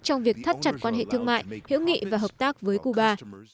trong việc thắt chặt quan hệ thương mại hữu nghị và hợp tác với cuba